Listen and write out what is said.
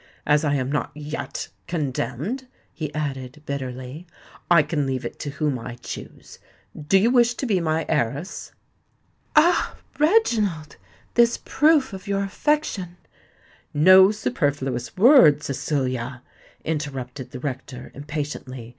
As I am not yet condemned," he added bitterly, "I can leave it to whom I choose. Do you wish to be my heiress?" "Ah! Reginald—this proof of your affection——" "No superfluous words, Cecilia," interrupted the rector impatiently.